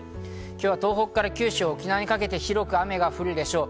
今日は東北から九州、沖縄にかけて広く雨が降るでしょう。